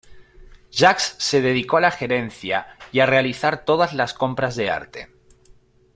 Jacques se dedicó a la gerencia ya realizar todas las compras de arte.